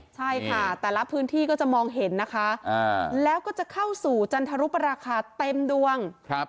ใช่ค่ะแต่ละพื้นที่ก็จะมองเห็นนะคะแล้วก็จะเข้าสู่จันทรุปราคาเต็มดวง